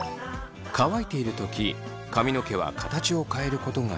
乾いている時髪の毛は形を変えることができません。